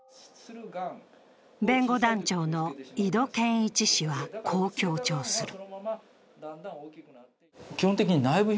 弁護団長の井戸謙一氏は、こう強調する。